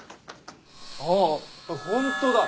ああ本当だ。